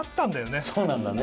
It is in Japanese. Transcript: そうなんだね。